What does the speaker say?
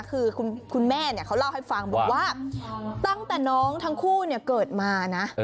คือคุณแม่เขาเล่าให้ฟังบอกว่าตั้งแต่น้องทั้งคู่เกิดมานะ